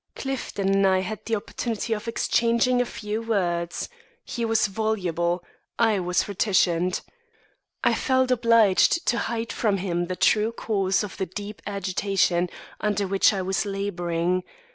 Clifton and I had the opportunity of exchanging a few words. He was voluble; I was reticent. I felt obliged to hide from him the true cause of the deep agitation under which I was labouring.